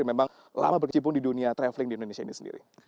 yang memang lama berkecimpung di dunia traveling di indonesia ini sendiri